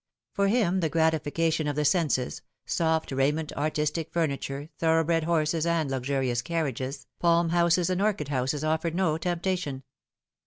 For him the gratification of the senses, soft raiment, artistic f urniture, thorough bred horses and luxurious carriages, palm houses and orchid houses, offered no temptation.